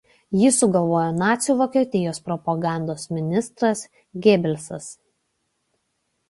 Jį sugalvojo nacių Vokietijos propagandos ministras Gėbelsas.